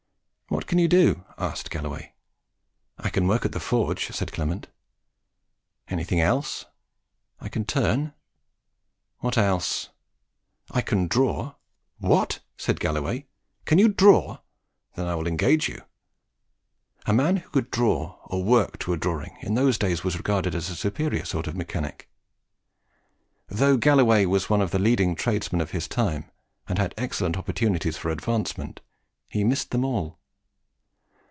"What can you do?" asked Galloway. "I can work at the forge," said Clement. "Anything else?" "I can turn." "What else?" "I can draw." "What!" said Galloway, "can you draw? Then I will engage you." A man who could draw or work to a drawing in those days was regarded as a superior sort of mechanic. Though Galloway was one of the leading tradesmen of his time, and had excellent opportunities for advancement, he missed them all.